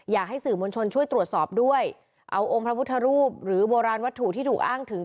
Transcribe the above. อยากให้สื่อมวลชนช่วยตรวจสอบด้วยเอาองค์พระพุทธรูปหรือโบราณวัตถุที่ถูกอ้างถึง